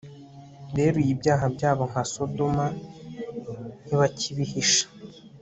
beruye ibyaha byabo nka sodoma, ntibakibihisha